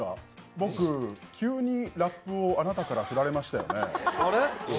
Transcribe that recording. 僕、急にラップをあなたから振られましたよね。